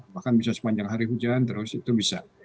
bahkan bisa sepanjang hari hujan terus itu bisa